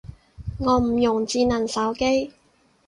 我唔用智能手機